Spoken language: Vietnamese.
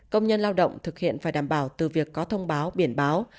công nhân lao động thực hiện phải đảm bảo từ việc có thông báo biển báo